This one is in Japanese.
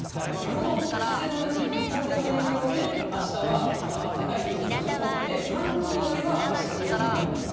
この風の、南風の影響で、あしたはこのあったかい空気が残って、関東だけはあした気温が上がります。